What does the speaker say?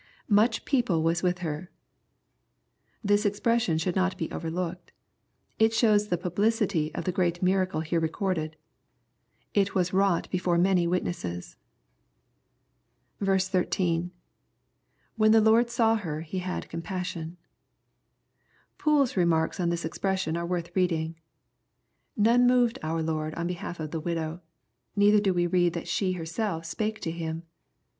[Much people was with her!\ This expression should not be over looked. It shows the publicity of the great miracle here recorded. It was wrought before many witnesses. 13. — [When the Lord saw her He had compa^sitm^ Poole's remarks on this expression are worth reading :" None moved our Lord on behalf of the widow, neither do we read tliat she herself spake to Him.